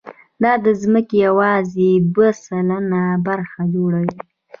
دا د ځمکې یواځې دوه سلنه برخه جوړوي.